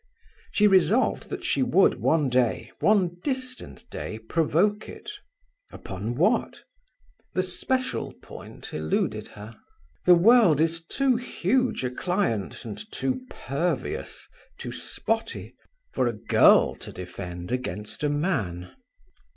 She resolved that she would one day, one distant day, provoke it upon what? The special point eluded her. The world is too huge a client, and too pervious, too spotty, for a girl to defend against a man.